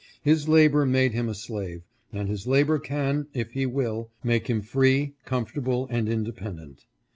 His labor made him a slave, and his labor can, if he will, make him free, comfortable, and independent.